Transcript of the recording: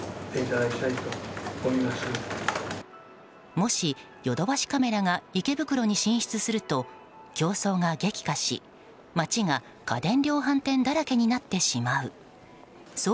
もし、ヨドバシカメラが池袋に進出すると競争が激化し、街が家電量販店だらけになってしまう。